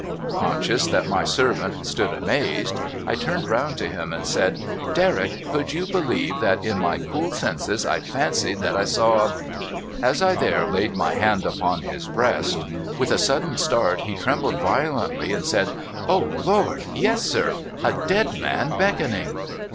Conscious that my servant stood amazed, I turned round to him, and said :' Derrick, could you believe that in my cool senses I fancied I saw a ' As I there laid my hand upon his breast, with a sudden start he trembled violently, and said, ' O Lord, yes, sir ! A dead man beckoning